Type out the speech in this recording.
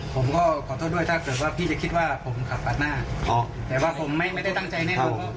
ผมก็ขอโทษด้วยถ้าเกิดว่าพี่จะคิดว่าผมขับปากหน้าแต่ว่าผมไม่ได้ตั้งใจแน่นอนว่า